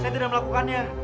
saya tidak melakukannya